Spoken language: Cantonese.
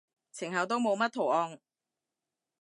前後都冇乜圖案